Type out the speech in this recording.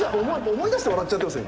思い出して笑っちゃってます